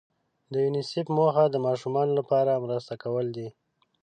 د یونیسف موخه د ماشومانو لپاره مرسته کول دي.